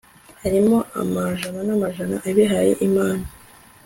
hariho amajana n'amajana abihaye imana